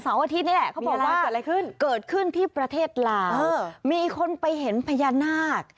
สองอาทิตย์นี่แหละเขาบอกว่าเกิดขึ้นที่ประเทศลาวมีคนไปเห็นพญานาค